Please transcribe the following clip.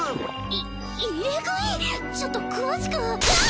ちょっと詳しくキャッ！